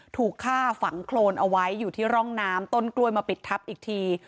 ถูกฆ่าฝังโครนเอาไว้อยู่ที่ร่องน้ำต้นกล้วยมาปิดทับอีกที